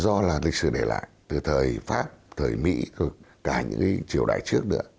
do là lịch sử để lại từ thời pháp thời mỹ cả những cái triều đại trước nữa